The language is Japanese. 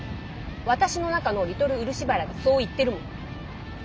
私の中のリトル漆原がそう言ってるもん。